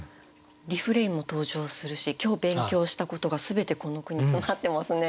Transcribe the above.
リフレインも登場するし今日勉強したことが全てこの句に詰まってますね。